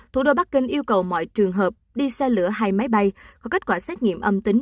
thủ đô bắc kinh yêu cầu mọi trường hợp đi xe lửa hai máy bay có kết quả xét nghiệm âm tính